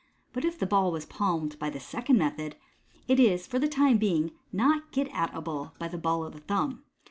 But if the ball was palmed by the second method, it is, for the time being, not get at able by the ball of the thumb.